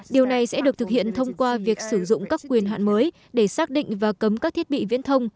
điều này sẽ được thực hiện thông qua việc sử dụng các quyền hạn mới để xác định và cấm các thiết bị viễn thông